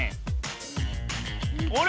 あれ？